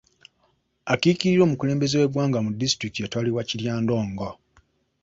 Akiikirira omukulembeze w'eggwanga mu disitulikiti yatwalibwa Kiryandongo.